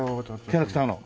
キャラクターの。